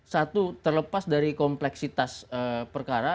satu terlepas dari kompleksitas perkara